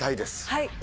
はい！